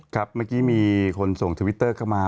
ครับเมื่อกี้มีคนส่งทวิตเตอร์เข้ามา